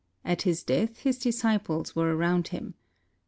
At his death, his disciples were around him.